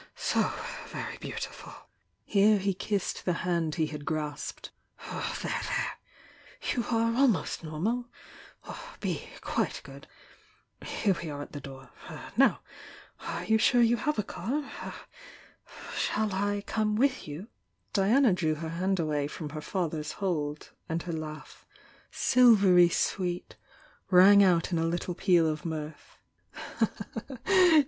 — so very beautiful!" Here he kissed the hand he had grasped. "There, there! You are almost normal! Be quite good I Here we are at the door — now, are you sure you have a car? Shall I come with you?" Diana drew her hand away from her father's hold, and her laugh, silvery sweet, rang out in a little peal of mirth.